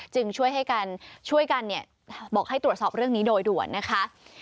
ช่วยกันช่วยกันบอกให้ตรวจสอบเรื่องนี้โดยด่วนนะคะ